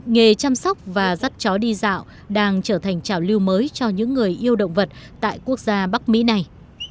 nghề chăm sóc và dắt chó đi dạo đang trở thành trào lưu mới cho những người yêu động vật tại quốc gia bắc mỹ này